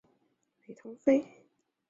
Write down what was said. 雷通费。